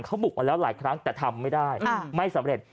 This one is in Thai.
เขาบุกมาแล้วหลายครั้งแต่ทำไม่ได้ไม่สำเร็จ